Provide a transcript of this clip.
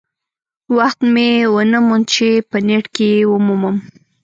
وخت مې ونه موند چې په نیټ کې یې ومومم.